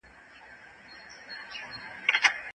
کار انسان ته هدف ورکوي.